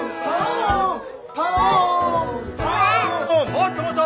もっともっと！